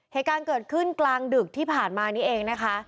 เหตุการณ์เกิดขึ้นกลางดึกที่ผ่านมานี้เองนะคะ